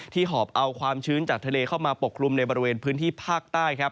หอบเอาความชื้นจากทะเลเข้ามาปกคลุมในบริเวณพื้นที่ภาคใต้